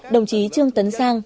đồng chí trương tấn sang